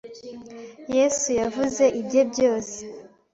Yesu yavuze ibye byose